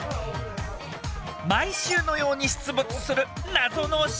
毎週のように出没する謎の親友。